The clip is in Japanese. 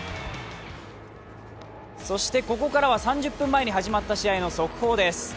そしてここからは３０分前に始まった試合の速報です。